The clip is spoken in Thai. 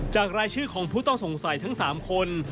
รายชื่อของผู้ต้องสงสัยทั้ง๓คน